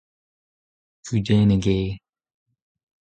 Kudennek eo.